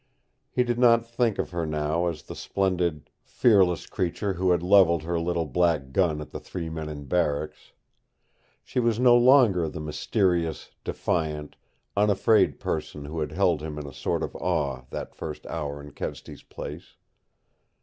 He did not think of her now as the splendid, fearless creature who had leveled her little black gun at the three men in barracks. She was no longer the mysterious, defiant, unafraid person who had held him in a sort of awe that first hour in Kedsty's place.